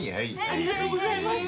ありがとうございます。